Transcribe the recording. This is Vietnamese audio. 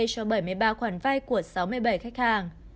cho bảy mươi ba khoản vay của sáu mươi bảy khách hàng